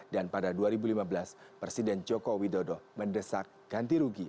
dan pada dua ribu lima belas presiden joko widodo mendesak ganti rugi